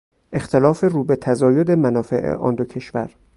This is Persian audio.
اختلاف رو به تزاید منافع آن دو کشور